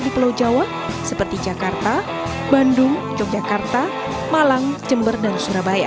di pulau jawa seperti jakarta bandung yogyakarta malang jember dan surabaya